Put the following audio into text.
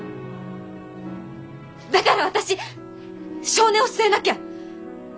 だから私性根を据えなきゃ！